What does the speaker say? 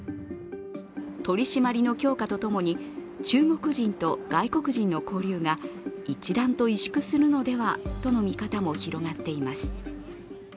取締りの強化とともに、中国人と外国人の交流が一段と萎縮するのではとの見方も広まっています。